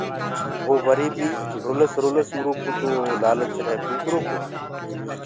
وو وري بي رُلس رُلس اُرو ڪوُ تو لآلچ رهي ڪُڪرو ڪو۔